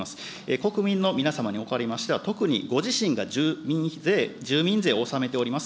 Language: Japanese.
国民の皆様におかれましては、特にご自身が住民税を納めております